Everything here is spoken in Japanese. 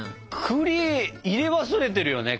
くり入れ忘れてるよね